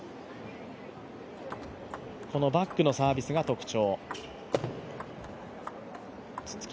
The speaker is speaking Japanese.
このバックのサービスが特徴。